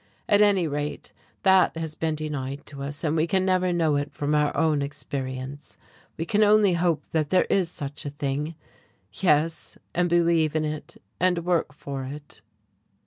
At any rate, that has been denied to us, and we can never know it from our own experience. We can only hope that there is such a thing, yes, and believe in it and work for it."